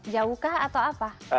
jauh kah atau apa